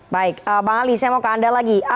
baik bang ali saya mau ke anda lagi